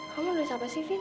kamu nulis apa sih vin